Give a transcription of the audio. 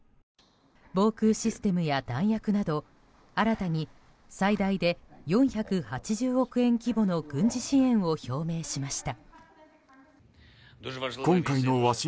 防空システムや弾薬など新たに最大で４８０億円規模の軍事支援を表明しました。